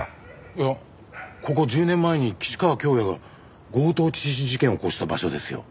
いやここ１０年前に岸川恭弥が強盗致死事件を起こした場所ですよ。